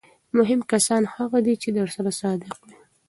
مهم کسان هغه دي چې درسره صادق وي.